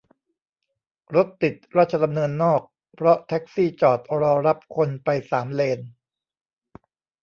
รถติดราชดำเนินนอก เพราะแท็กซี่จอดรอรับคนไปสามเลน !